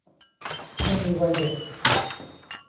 ไม่มีวัยเด็ก